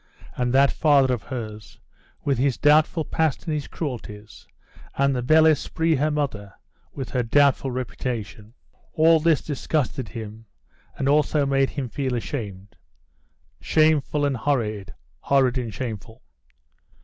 "And that father of hers, with his doubtful past and his cruelties, and the bel esprit her mother, with her doubtful reputation." All this disgusted him, and also made him feel ashamed. "Shameful and horrid; horrid and shameful!"